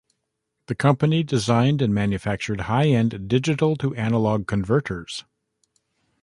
The company designed and manufactured high-end digital-to-analog converters.